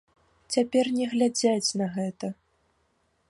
Цяпер не глядзяць на гэта.